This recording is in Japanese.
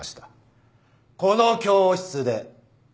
この教室で。